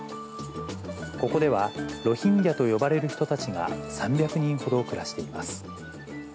ここではロヒンギャと呼ばれる人たちが３００人ほど暮らしています。